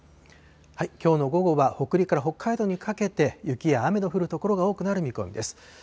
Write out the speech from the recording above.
きょうの午後は、北陸から北海道にかけて雪や雨の降る所が多くなる見込みです。